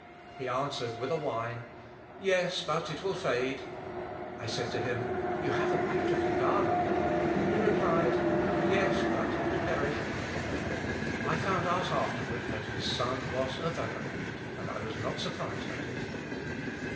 He answered, with a whine, "Yes; but it will fade." I said to him, "You have a beautiful garden." He replied, "Yes; but it will perish." I found out afterward that his son was a vagabond, and I was not surprised at it.